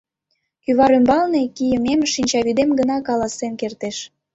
Кӱвар ӱмбалне кийымем шинчавӱдем гына каласен кертеш...»